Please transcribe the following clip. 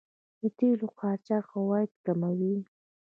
د تیلو قاچاق عواید کموي.